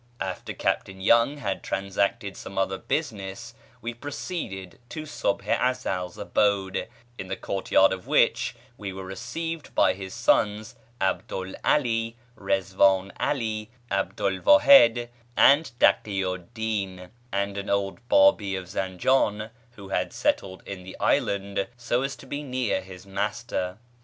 After Captain Young had transacted some other business we proceeded to Subh i Ezel's abode, in the court yard of which we were received by his sons 'Abdu'l 'Alí, Rizván 'Alí, 'Abdu'l Wau>híd, and Takí'u'd Dín, and an old Bábí of Zanján who had settled in the island so as to be near his master.